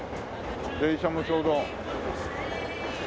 電車もちょうどふん。